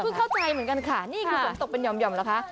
คุณเข้าใจเหมือนกันนี่คิดว่าฝนตกนย่อมหรือคะ